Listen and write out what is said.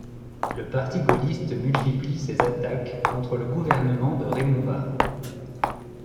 Le parti gaulliste multiplie ses attaques contre le gouvernement de Raymond Barre.